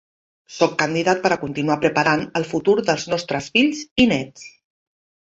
Sóc candidat per a continuar preparant el futur dels nostres fills i néts.